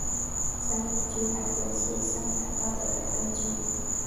昌宁郡韩国庆尚南道的一个郡。